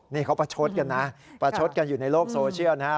นี่เขาประชดกันนะประชดกันอยู่ในโลกโซเชียลนะฮะ